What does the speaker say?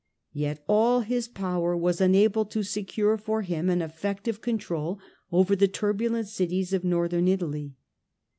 Yet all his power was unable to secure for him an effective control over the turbulent cities of Northern Italy.